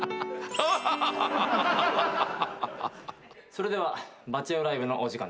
それではバチェ男ライブのお時間です。